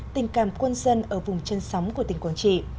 tình cảm quân dân ở vùng chân sóng của tỉnh quảng trị